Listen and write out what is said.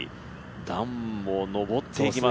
段を上っていきます。